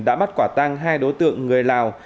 đã bắt quả tăng hai đối tượng người lào